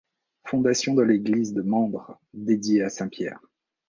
Fondation de l’église de Mandres dédiée à saint Pierre.